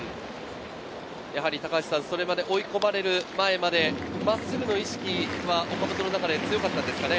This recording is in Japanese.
やはりそれまで、追い込まれる前まで、真っすぐの意識は岡本の中で強かったですかね。